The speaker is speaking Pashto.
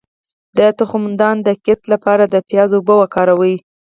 د تخمدان د کیست لپاره د پیاز اوبه وکاروئ